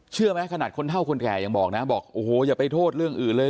เชื่อไหมขนาดคนเท่าคนแก่ยังบอกนะบอกโอ้โหอย่าไปโทษเรื่องอื่นเลย